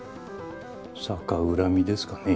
逆恨みですかね？